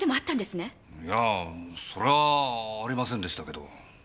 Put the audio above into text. いやあそりゃあありませんでしたけど。